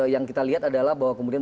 yang kita lihat adalah bahwa kemudian